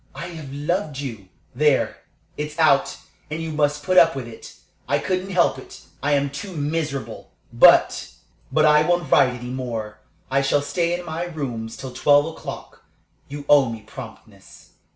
I have loved you. "There, it's out, and you must put up with it. I couldn't help it. I am too miserable. "But "But I won't write any more. I shall stay in my rooms till twelve o'clock. You owe me promptness."